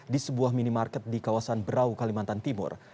di sebuah minimarket di kawasan berau kalimantan timur